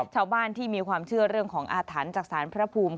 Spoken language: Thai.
ชาวบ้านที่มีความเชื่อเรื่องของอาถรรพ์จากศาลพระภูมิ